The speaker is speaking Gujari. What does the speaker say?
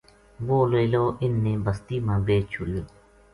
وہ لیلو اِن نے بستی ما بیچ چھڑیو